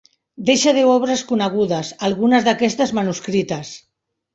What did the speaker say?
Deixà deu obres conegudes, algunes d'aquestes manuscrites.